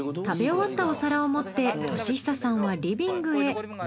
食べ終わったお皿を持って敏久さんはリビングへ。